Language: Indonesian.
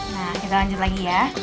nah kita lanjut lagi ya